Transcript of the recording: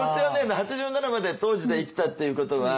８７まで当時で生きたっていうことは。